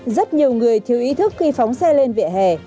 rất nhiều người thiếu ý thức khi phóng xe lên vỉa hè